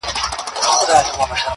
o اوړه که تمام دي، پيمانه پر ځاى ده.